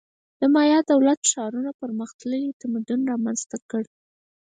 د مایا دولت-ښارونو پرمختللی تمدن رامنځته کړ.